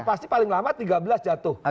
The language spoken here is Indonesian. pasti paling lama tiga belas jatuh